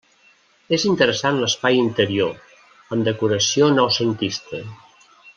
És interessant l'espai interior, amb decoració noucentista.